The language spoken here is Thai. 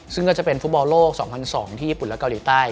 ซึ่งก็จะเป็นฟุตบอลโลก๒๐๐๒ที่ญี่ปุ่นและเกาหลีใต้